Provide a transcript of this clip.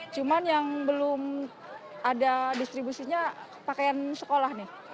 cuman yang belum ada distribusinya pakaian sekolah nih